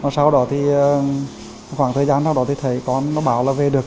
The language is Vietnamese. sau đó thì khoảng thời gian sau đó thì thấy con nó bảo là về được